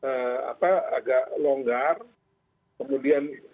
kemudian dibuat lebih ketat lagi pada saat kita punya ppkm mikro diberlakukan di seluruh negara